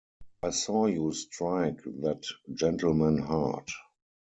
I saw you strike that gentleman hard.